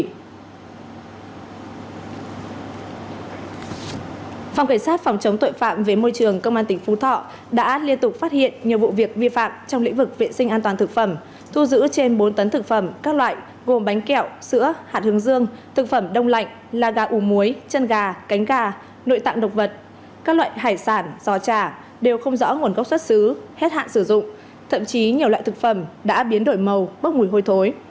phòng cảnh sát phòng chống tội phạm về môi trường cơ quan tỉnh phú thọ đã liên tục phát hiện nhiều vụ việc vi phạm trong lĩnh vực vệ sinh an toàn thực phẩm thu giữ trên bốn tấn thực phẩm các loại gồm bánh kẹo sữa hạt hương dương thực phẩm đông lạnh la gà ủ muối chân gà cánh gà nội tạng độc vật các loại hải sản giò trà đều không rõ nguồn gốc xuất xứ hết hạn sử dụng thậm chí nhiều loại thực phẩm đã biến đổi màu bốc mùi hôi thối